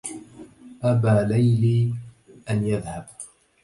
أبى ليلي أن يذهب